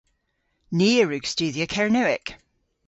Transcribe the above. Ni a wrug studhya Kernewek.